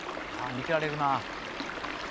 見てられるなぁ。